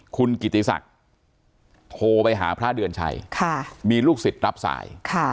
คุณกิติศักดิ์โทรไปหาพระเดือนชัยมีลูกศิษย์รับสาย